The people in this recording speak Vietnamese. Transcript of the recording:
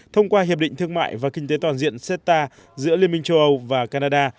thông qua hiệp định thương mại và kinh tế toàn diện seta giữa liên minh châu âu và canada